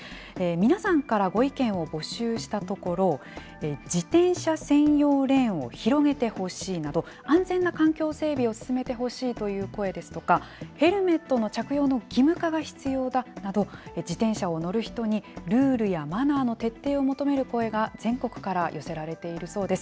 皆さんからご意見を募集したところ、自転車専用レーンを広げてほしいなど、安全な環境整備を進めてほしいという声ですとか、ヘルメットの着用の義務化が必要だなど、自転車を乗る人にルールやマナーの徹底を求める声が全国から寄せられているそうです。